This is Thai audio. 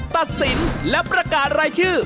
ตัดสินและประกาศรายชื่อ